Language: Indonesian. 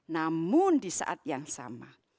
namun di saat yang sama